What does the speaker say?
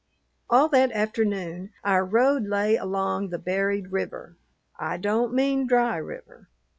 All that afternoon our road lay along the buried river. I don't mean dry river.